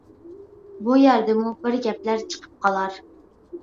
بۇ يەردىمۇ بىر گەپلەر چىقىپ قالار.